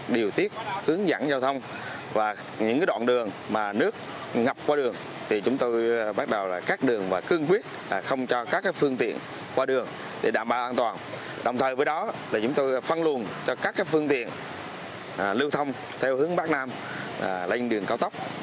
để đảm bảo an toàn cho các phương tiện lưu thông theo hướng bắc nam lên đường cao tốc